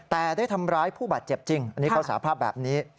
แต่ได้ทำร้ายผู้บาดเจ็บจริงอันนี้เขาสาภาพแบบนี้